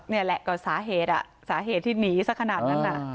นี่แหละก็สาเหตุสาเหตุที่หนีสักขนาดนั้น